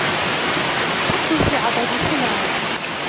فت في عضد فلان